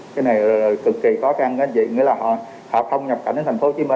cái này cực kỳ khó khăn nghĩa là họ không nhập cảnh ở tp hcm